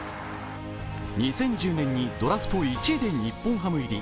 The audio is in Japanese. ２０１０年にドラフト１位で日本ハム入り。